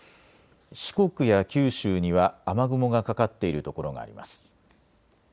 四国や九州には雨雲がかかっている所があります。